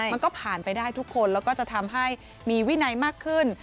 มันก็ผ่านไปได้ทุกคนแล้วก็จะทำให้มีวินัยมากขึ้น